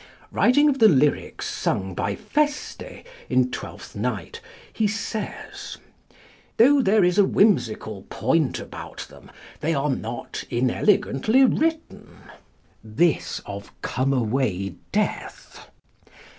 Writing of the lyrics sung by Feste in Twelfth Night, he says: "Though there is a whimsical point about them, they are not inelegantly written." (This of "Come away, Death"!)